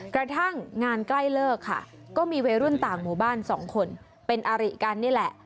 กระทั่งงานใกล้เลิกค่ะก็มีวัยรุ่นต่างหมู่บ้าน๒คนเป็นอาริกันนี่แหละ